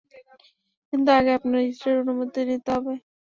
কিন্তু আগে আপনার স্ত্রীর অনুমতি নিতে হবে।